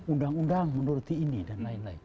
undang undang menuruti ini dan lain lain